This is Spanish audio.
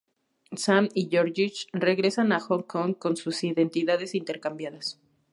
Sam y Georgie regresan a Hong Kong con sus identidades intercambiadas.